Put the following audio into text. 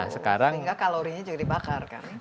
sehingga kalorinya juga dibakar kan